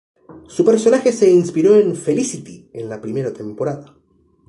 Su personaje se inspiró en "Felicity" en la primera temporada.